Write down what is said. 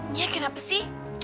nih kenapa sih